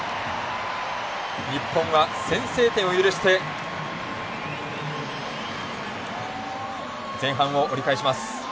日本は先制点を許して前半を折り返します。